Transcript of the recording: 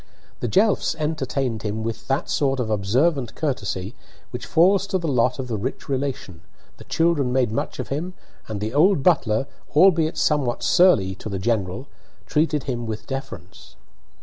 The Jelfs entertained him with that sort of observant courtesy which falls to the lot of the rich relation, the children made much of him, and the old butler, albeit somewhat surly "to the general," treated him with deference.